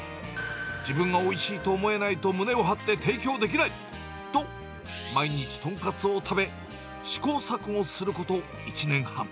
自分がおいしいと思えないと、胸を張って提供できないと、毎日豚カツを食べ、試行錯誤すること１年半。